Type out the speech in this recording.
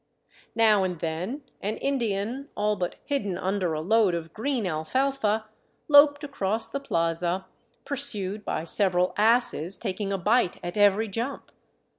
Now and then an Indian, all but hidden under a load of green alfalfa, loped across the plaza, pursued by several asses taking a bite at every jump.